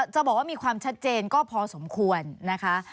จะบอกว่ามีความชัดเจนก็พอสมควรนะคะ